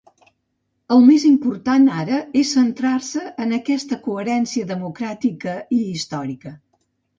El més important ara és centrar-se en aquesta coherència democràtica i històrica.